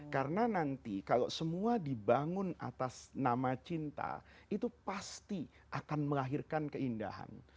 karena nanti kalau semua dibangun atas nama cinta itu pasti akan melahirkan keindahan